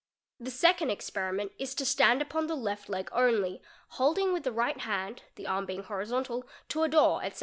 The second experiment is — to stand upon the left leg only, holding with the right hand, the arm being horizontal, to a door, etc.